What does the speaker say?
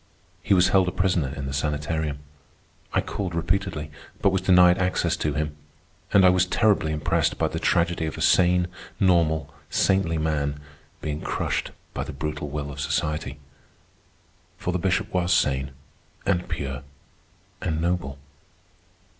He was held a prisoner in the sanitarium. I called repeatedly, but was denied access to him; and I was terribly impressed by the tragedy of a sane, normal, saintly man being crushed by the brutal will of society. For the Bishop was sane, and pure, and noble.